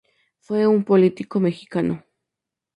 Fue un político mexicano.